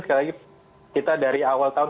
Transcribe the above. sekali lagi kita dari awal tahun